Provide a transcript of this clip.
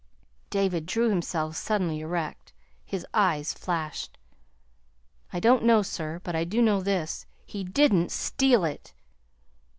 David drew himself suddenly erect. His eyes flashed. "I don't know, sir. But I do know this: he didn't STEAL it!"